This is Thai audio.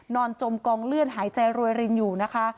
นอนจมกองเลื่อนหายใจโรยรินอยู่นะคะ